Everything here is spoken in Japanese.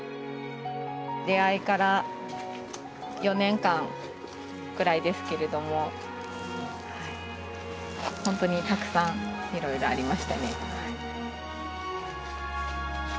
出会いから４年間くらいですけれども本当にたくさんいろいろありましたね。